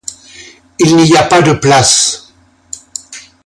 Il n'y a pas de place.